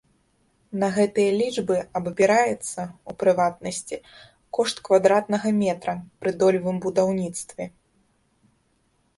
На гэтыя лічбы абапіраецца, у прыватнасці, кошт квадратнага метра пры долевым будаўніцтве.